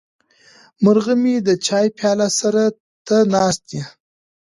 مرغه مې د چای پیاله سر ته ناست دی.